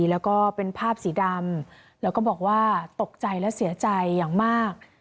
แล้วก็เป็นภาพสีดำแล้วก็บอกว่าตกใจและเสียใจอย่างมาก